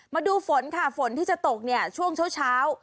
มาดูฝนค่ะฝนที่จะตกเนี่ยช่วงเช้า